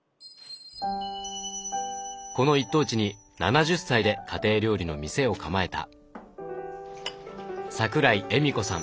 この一等地に７０歳で家庭料理の店を構えた桜井莞子さん